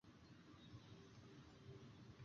主要城镇为阿普。